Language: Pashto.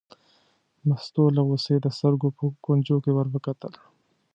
مستو له غوسې د سترګو په کونجو کې ور وکتل.